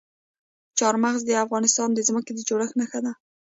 چار مغز د افغانستان د ځمکې د جوړښت نښه ده.